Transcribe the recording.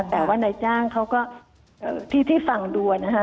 แต่ว่านายจ้างเขาก็ที่ฟังดูนะคะ